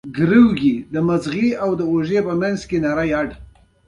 ایا ستاسو اواز خوږ نه دی؟